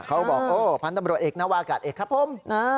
เขาบอกโอ้พันธุ์ตำรวจเอกนวากาศเอกครับผม